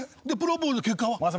でプロポーズの結果は？